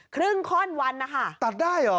ครึ่งข้อนวันนะคะ